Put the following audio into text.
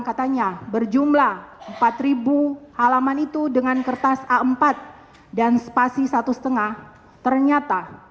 katanya berjumlah empat ribu halaman itu dengan kertas a empat dan spasi satu lima ternyata